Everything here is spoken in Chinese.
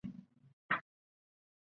拉玛西亚青年队球员